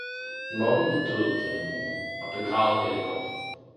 – Moppen var død i denne morgen og begravet her i gården.